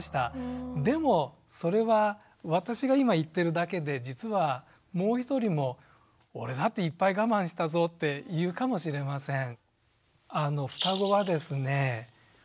でもそれは私が今言ってるだけで実はもう一人も「俺だっていっぱい我慢したぞ」って言うかもしれません。